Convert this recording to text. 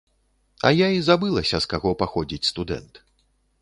А я і забылася, з каго паходзіць студэнт.